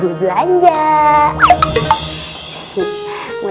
saya sudah sudah tumpah